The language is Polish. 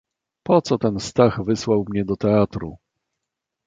"Poco ten Stach wysłał mnie do teatru!..."